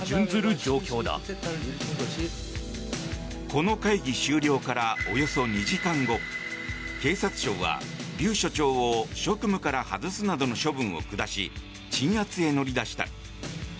この会議終了からおよそ２時間後警察庁は、リュ署長を職務から外すなどの処分を下し鎮圧へ乗り出した。